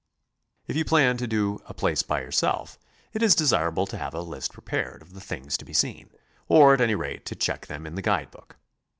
If you plan to do a place by yourself, it is desirable to have a list prepared of the things to be seen, or at any rate, to check them in the guide book.